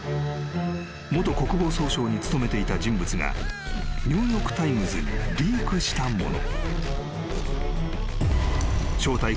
［元国防総省に勤めていた人物がニューヨーク・タイムズにリークしたもの］